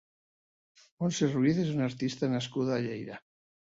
Montse Ruiz és una artista nascuda a Lleida.